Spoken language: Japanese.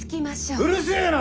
うるせえな！